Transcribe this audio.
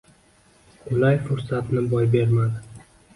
Qulay fursatni boy bermadi